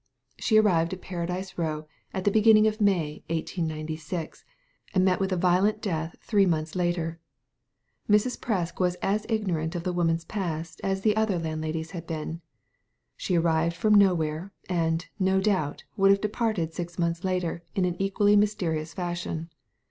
She arrived at Paradise Row at the banning of May, 189S, and met with a violent death three months later. Mrs. Presk was as ignorant of the woman's past as the other landladies had been. She arrived from nowhere, and, no doubt, would have departed six months later in an equally mysterious fashion.